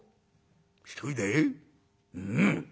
「うん」。